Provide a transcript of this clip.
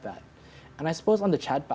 kami memiliki semua itu